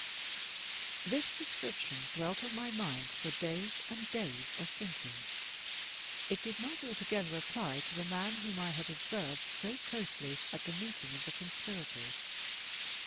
This description dwelt on my mind for days and days of thinking. It did not altogether apply to the man whom I had observed so closely at the meeting of the conspirators.